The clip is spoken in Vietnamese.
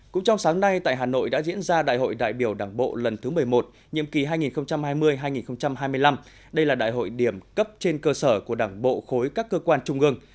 cũng trong sáng nay tại hà nội đã diễn ra đại hội đại biểu đảng bộ lần thứ một mươi một nhiệm kỳ hai nghìn hai mươi hai nghìn hai mươi năm đây là đại hội điểm cấp trên cơ sở của đảng bộ khối các cơ quan trung ương